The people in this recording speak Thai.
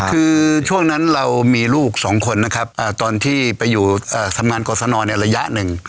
คือช่วงนั้นเรามีลูกสองคนนะครับตอนที่ไปอยู่ทำงานกรสนในระยะหนึ่ง